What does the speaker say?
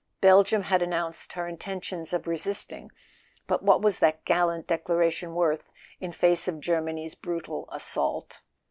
Belgium had announced her intention of resisting; but what was that gallant declaration worth in face of Germany's brutal assault?